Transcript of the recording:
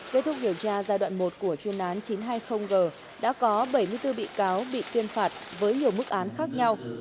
kết thúc điều tra giai đoạn một của chuyên án chín trăm hai mươi g đã có bảy mươi bốn bị cáo bị tuyên phạt với nhiều mức án khác nhau